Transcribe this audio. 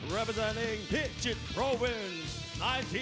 สวัสดีครับทุกคน